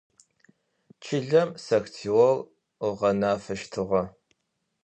Чылэм сэхтеор ыгъэнафэщтыгъэ.